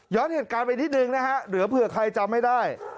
เหตุการณ์ไปนิดนึงนะฮะเหลือเผื่อใครจำไม่ได้